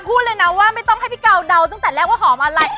พูดเลยนะว่าไม่ต้องให้พี่กาวเดาตั้งแต่แรกว่าหอมอะไร